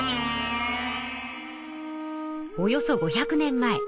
およそ５００年前。